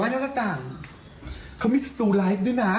ว่าอย่างละต่างเขามีสตูไลฟ์ด้วยนะ